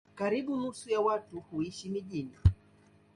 Karibu nusu ya watu huishi mijini.